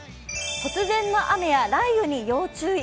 突然の雨や雷雨に要注意。